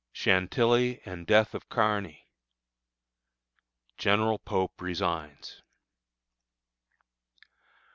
Chantilly and Death of Kearny. General Pope resigns.